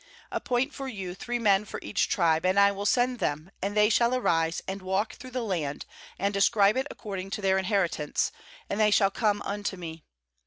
4Appoint for you three men for each tribe; and I will send them, and they shall arise, and walk through the land, and describe it according to their inheritance; and they shall come unto me.